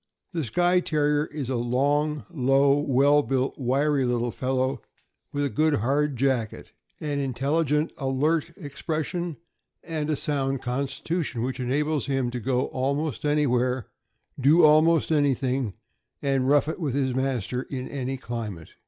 The Skye Terrier is a long, low, well built, wiry little fellow, with a good hard jacket, an intelligent, alert ex THE SKYE TERRIER. 481 pression, and a sound constitution, which enables him to go almost anywhere, do almost anything, and rough it with his master in any climate.